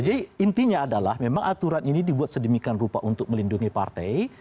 jadi intinya adalah memang aturan ini dibuat sedemikian rupa untuk melindungi partai